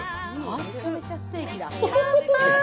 めちゃめちゃステーキだ。